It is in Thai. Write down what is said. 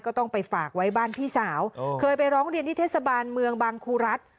ก็ต้องไปฝากไว้บ้านพี่สาวเคยไปร้องเรียนที่เทศบาลเมืองบางครูรัฐ